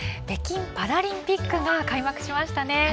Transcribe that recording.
北京パラリンピックが開幕しましたね。